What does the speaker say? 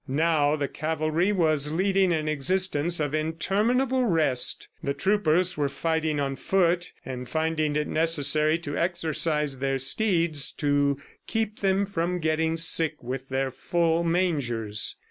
Now the cavalry was leading an existence of interminable rest. The troopers were fighting on foot, and finding it necessary to exercise their steeds to keep them from getting sick with their full mangers.